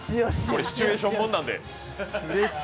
これシチュエーションものなんで。